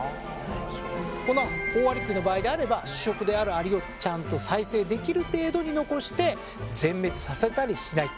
このオオアリクイの場合であれば主食であるアリをちゃんと再生できる程度に残して全滅させたりしない。